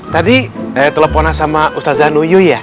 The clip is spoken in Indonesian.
tadi eh teleponan sama ustaz anu ya